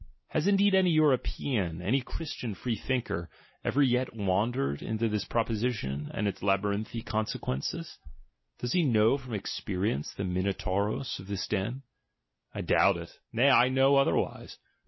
Has indeed any Euro pean, any Christian freethinker, ever yet wandered into 1 64 THE GENEALOGY OF MORALS this proposition and its labyrinthine consequences? Does he know from experience the Minotauros of this den. — I doubt it — nay, I know otherwise.